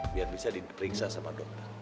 biar bisa diperiksa sama dokter